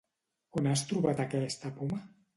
On has trobat aquesta poma?